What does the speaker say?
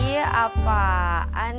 bisa dong udah bukan